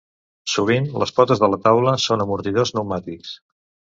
Sovint, les potes de la taula són amortidors pneumàtics.